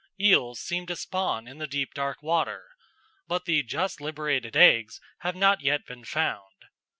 Eels seem to spawn in the deep dark water; but the just liberated eggs have not yet been found.